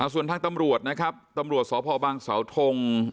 ส่วนทางตำรวจนะครับตำรวจสพบังเสาทง